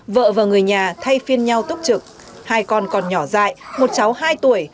vợ và người nhà thay phiên nhau túc trực hai con còn nhỏ dại một cháu hai tuổi